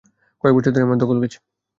কয়েকবছর ধরেই এমন ধকল গেছে।